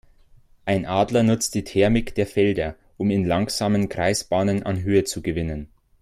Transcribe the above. Ein Adler nutzt die Thermik der Felder, um in langsamen Kreisbahnen an Höhe zu gewinnen.